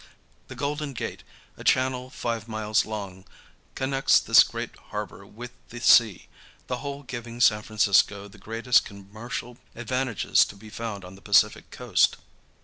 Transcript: The Golden Gate, a channel five miles long, connects this great harbor with the sea, the whole giving San Francisco the greatest commercial advantages to be found on the Pacific coast.